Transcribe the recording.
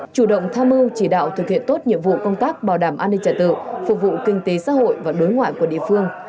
chủ động tham mưu chỉ đạo thực hiện tốt nhiệm vụ công tác bảo đảm an ninh trả tự phục vụ kinh tế xã hội và đối ngoại của địa phương